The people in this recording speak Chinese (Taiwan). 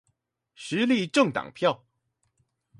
時力政黨票